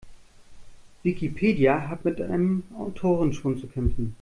Wikipedia hat mit einem Autorenschwund zu kämpfen.